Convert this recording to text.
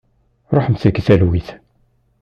Ruḥemt deg talwit.